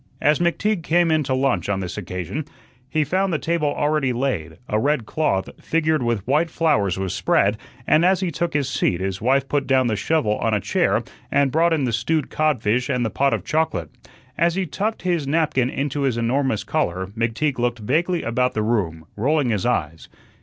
As McTeague came in to lunch on this occasion, he found the table already laid, a red cloth figured with white flowers was spread, and as he took his seat his wife put down the shovel on a chair and brought in the stewed codfish and the pot of chocolate. As he tucked his napkin into his enormous collar, McTeague looked vaguely about the room, rolling his eyes.